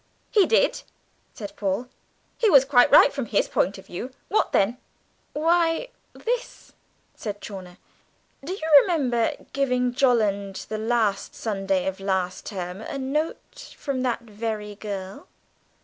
"He did," said Paul, "he was quite right from his point of view what then?" "Why, this," said Chawner: "Do you remember giving Jolland, the last Sunday of last term, a note for that very girl?"